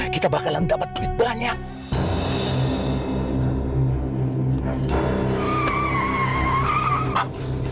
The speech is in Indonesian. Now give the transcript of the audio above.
kita bakalan dapat duit banyak